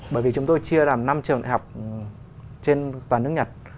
bởi vì chúng tôi chia làm năm trường đại học trên toàn nước nhật